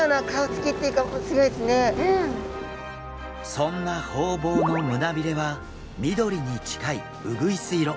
そんなホウボウの胸びれは緑に近いうぐいす色。